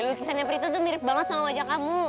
lukisannya prita tuh mirip banget sama wajah kamu